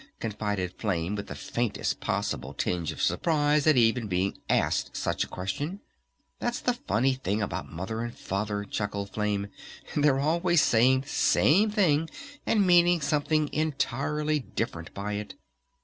confided Flame with the faintest possible tinge of surprise at even being asked such a question. "That's the funny thing about Mother and Father," chuckled Flame. "They're always saying the same thing and meaning something entirely different by it.